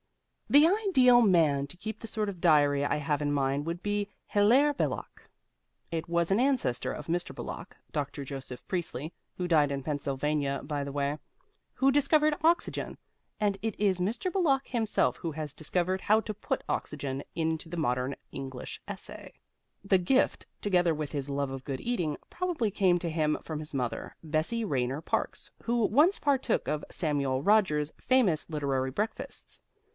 The ideal man to keep the sort of diary I have in mind would be Hilaire Belloc. It was an ancestor of Mr. Belloc, Dr. Joseph Priestley (who died in Pennsylvania, by the way) who discovered oxygen; and it is Mr. Belloc himself who has discovered how to put oxygen into the modern English essay. The gift, together with his love of good eating, probably came to him from his mother, Bessie Rayner Parkes, who once partook of Samuel Rogers's famous literary breakfasts.